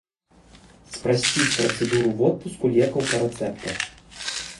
Спрасціць працэдуру водпуску лекаў па рэцэптах.